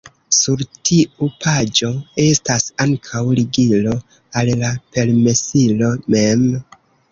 Sur tiu paĝo estas ankaŭ ligilo al la permesilo mem.